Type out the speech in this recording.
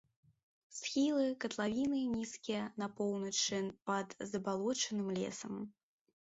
Схілы катлавіны нізкія, на поўначы пад забалочаным лесам.